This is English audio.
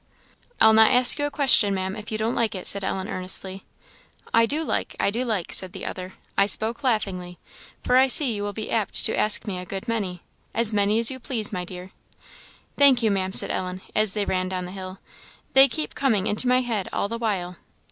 "I'll not ask you a question, Maam, if you don't like it," said Ellen, earnestly. "I do like, I do like," said the other. "I spoke laughingly, for I see you will be apt to ask me a good many. As many as you please, my dear." "Thank you, Maam," said Ellen, as they ran down the hill; "they keep coming into my head all the while."